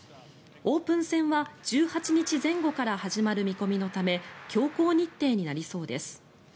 オープン戦は１８日前後から始まる見込みのため強行日程になりそうです。